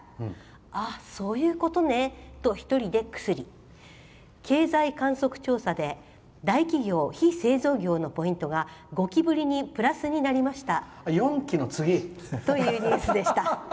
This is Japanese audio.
ああ、そういうことねと１人でクスリ経済観測調査で大企業・非製造業のポイントが５期ぶりにプラスになりましたというニュースでした。